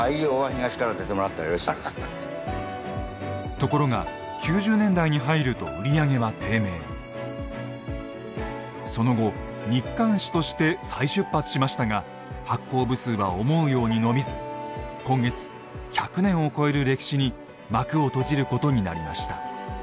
ところが９０年代に入るとその後日刊紙として再出発しましたが発行部数は思うように伸びず今月１００年を超える歴史に幕を閉じることになりました。